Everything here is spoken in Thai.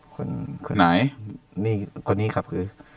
คนคนไหนนี่คนนี้ครับคือ